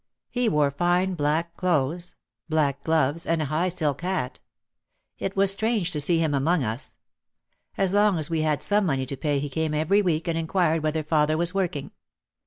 He wore fine black clothes, black gloves and a high silk hat. It was strange to see him among us. As long as we had some money to pay he came every week and inquired whether father was working.